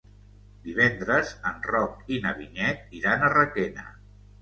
Divendres en Roc i na Vinyet iran a Requena.